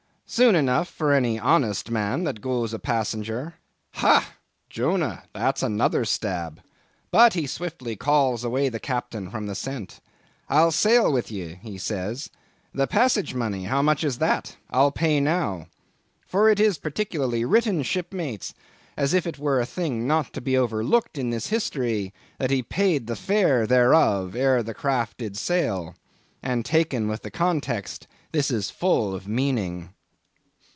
'—'Soon enough for any honest man that goes a passenger.' Ha! Jonah, that's another stab. But he swiftly calls away the Captain from that scent. 'I'll sail with ye,'—he says,—'the passage money how much is that?—I'll pay now.' For it is particularly written, shipmates, as if it were a thing not to be overlooked in this history, 'that he paid the fare thereof' ere the craft did sail. And taken with the context, this is full of meaning.